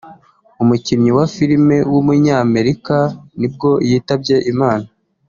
umukinnyi wa film w’umunyamerika nibwo yitabye Imana